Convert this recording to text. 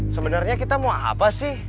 sebenarnya kita mau apa sih